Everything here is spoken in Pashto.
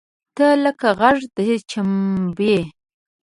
تۀ لکه غږ د چمبې !